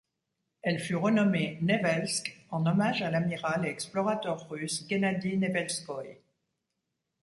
Elle fut renommée Nevelsk en hommage à l'amiral et explorateur russe Guennadi Nevelskoï.